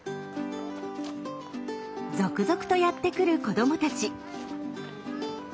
続々とやって来る子どもたち。